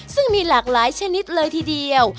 ซึ่งมีหลากหลายชนิดเลยทีเดียว